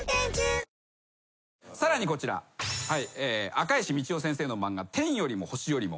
赤石路代先生の漫画『天よりも星よりも』